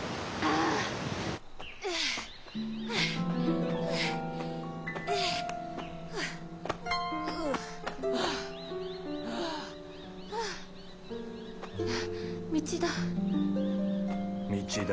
あっ道だ。